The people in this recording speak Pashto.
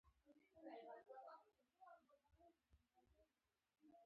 ایا زه باید د انګور جوس وڅښم؟